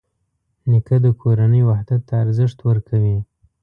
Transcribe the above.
نیکه د کورنۍ وحدت ته ارزښت ورکوي.